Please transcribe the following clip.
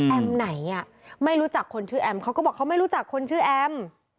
ไหนอ่ะไม่รู้จักคนชื่อแอมเขาก็บอกเขาไม่รู้จักคนชื่อแอม